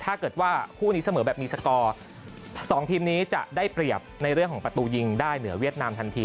ถ้าเกิดว่าคู่นี้เสมอแบบมีสกอร์๒ทีมนี้จะได้เปรียบในเรื่องของประตูยิงได้เหนือเวียดนามทันที